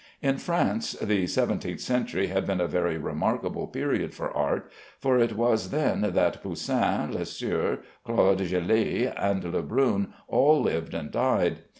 In France the seventeenth century had been a very remarkable period for art, for it was then that Poussin, Lesueur, Claude Gelée, and Lebrun all lived and died.